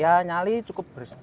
ya nyali cukup besar